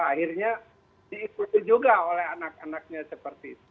akhirnya diikuti juga oleh anak anaknya seperti itu